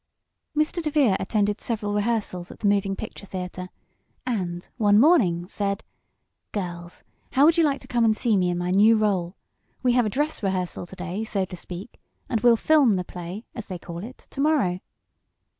Mr. DeVere attended several rehearsals at the moving picture theater and, one morning, said: "Girls, how would you like to come and see me in my new rôle? We have a dress rehearsal to day, so to speak, and we'll "film" the play, as they call it, to morrow."